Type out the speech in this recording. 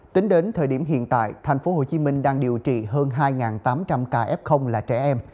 tính đến thời điểm hiện tại thành phố hồ chí minh đang điều trị hơn hai tám trăm linh ca f là trẻ em